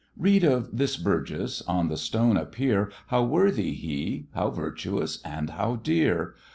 Read of this Burgess on the stone appear How worthy he! how virtuous! and how dear!